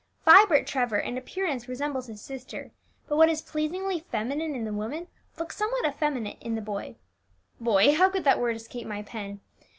Vibert Trevor in appearance resembles his sister; but what is pleasingly feminine in the woman looks somewhat effeminate in the boy. Boy! how could the word escape my pen!